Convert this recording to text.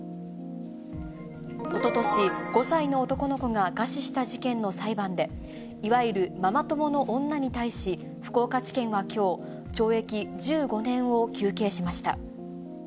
おととし、５歳の男の子が餓死した事件の裁判で、いわゆるママ友の女に対し、福岡地検はきょう、懲役１５年を求刑しました。